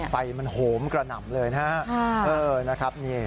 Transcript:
ไฟมันโหมกระหน่ำเลยนะครับ